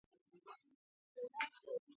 მდებარეობს აიოვის შტატში, ფრანკლინის ოლქში.